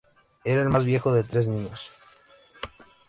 Era el más viejo de tres niños.